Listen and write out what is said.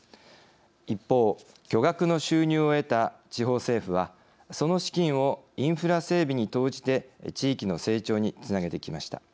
一方巨額の収入を得た地方政府はその資金をインフラ整備に投じて地域の成長につなげてきました。